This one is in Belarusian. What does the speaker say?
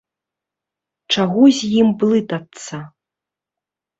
Чаго з ім блытацца.